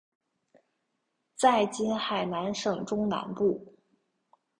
在今海南省中南部。